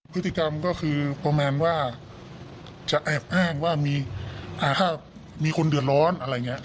พฤติกรรมก็คือประมาณว่าจะแอบอ้างว่ามีถ้ามีคนเดือดร้อนอะไรอย่างนี้